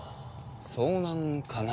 遭難かな？